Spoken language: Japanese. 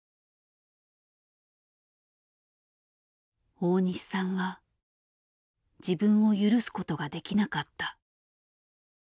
大西さんは自分を許すことができなかった。